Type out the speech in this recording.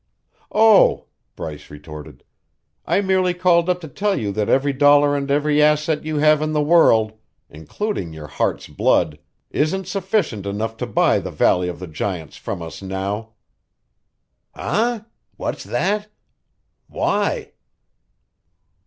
"Oh," Bryce retorted, "I merely called up to tell you that every dollar and every asset you have in the world, including your heart's blood, isn't sufficient to buy the Valley of the Giants from us now." "Eh? What's that? Why?"